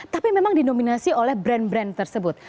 tapi memang dinominasi oleh brand brand tersebut